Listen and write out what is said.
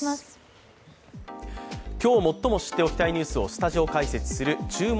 今日最も知っておきたいニュースをスタジオ解説する「注目！